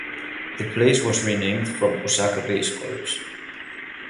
The place was renamed from Osaka Base Corps.